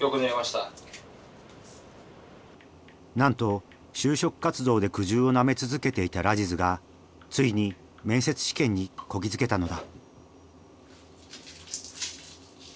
なんと就職活動で苦渋をなめ続けていたラジズがついに面接試験にこぎ着けたのだ。